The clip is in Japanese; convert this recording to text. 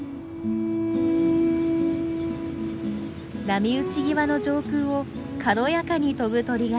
波打ち際の上空を軽やかに飛ぶ鳥がいます。